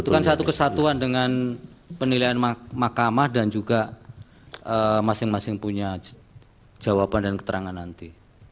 itu kan satu kesatuan dengan penilaian mahkamah dan juga masing masing punya jawaban dan keterangan nanti